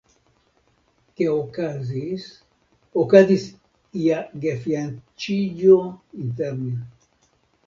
Ke okazis okazis ia gefianĉiĝo inter ni.